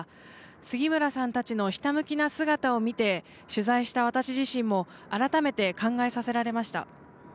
杉村さんたちのひたむきな姿を見て、取材した私自身も改めて考えさせられました。